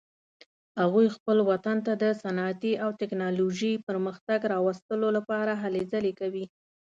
هغوی خپل وطن ته د صنعتي او تکنالوژیکي پرمختګ راوستلو لپاره هلې ځلې کوي